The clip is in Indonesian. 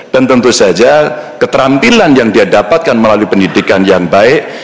dan tentu saja keterampilan yang dia dapatkan melalui pendidikan yang baik